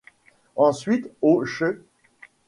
Ensuite, au ch.